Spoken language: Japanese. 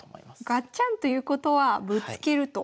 ガッチャンということはぶつけると。